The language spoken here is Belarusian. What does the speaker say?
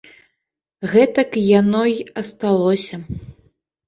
Гэтак яно й асталося.